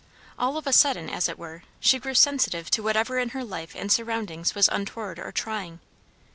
All of a sudden, as it were, she grew sensitive to whatever in her life and surroundings was untoward or trying.